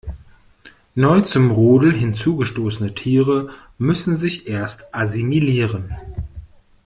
Neu zum Rudel hinzugestoßene Tiere müssen sich erst assimilieren.